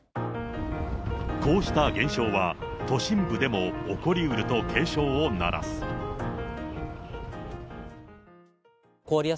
こうした現象は、都心部でも起こりうると警鐘を鳴らす。